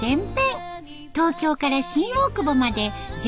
東京から新大久保まで１８．７キロ。